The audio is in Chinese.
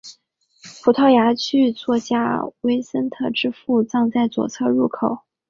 葡萄牙剧作家维森特之父葬在左侧入口。